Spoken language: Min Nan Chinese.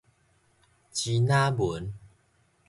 支那文